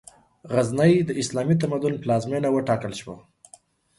غزنی، د اسلامي تمدن پلازمېنه وټاکل شوه.